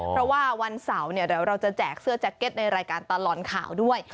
เพราะว่าวันเสาร์เดี๋ยวเราจะแจกเสื้อแจ็คเก็ตในรายการตลอดข่าวด้วย